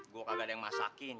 gue kagak ada yang masakin